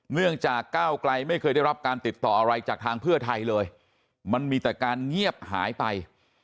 เนื่องจากก้าวไกลไม่เคยได้รับการติดต่ออะไรจากทางเพื่อไทยเลยมันมีแต่การเงียบหายไป